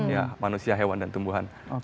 ya manusia hewan dan tumbuhan